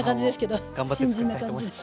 子供にご飯を頑張って作りたいと思います。